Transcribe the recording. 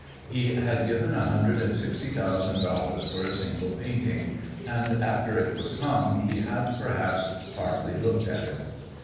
He had given a hundred and sixty thousand dollars for a single painting, and after it was hung he had, perhaps, hardly looked at it.